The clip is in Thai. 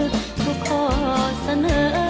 ทุกขอเสนอ